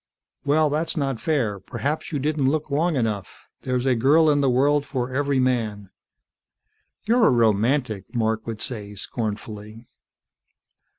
"Well, that's not fair. Perhaps you didn't look long enough. There's a girl in the world for every man." "You're a romantic!" Mark would say scornfully.